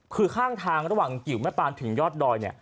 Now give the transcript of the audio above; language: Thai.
คือข้างทางระหว่างกิวแม่ปานถึงยอดดอย